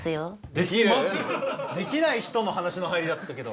できる？できない人の話の入りだったけど。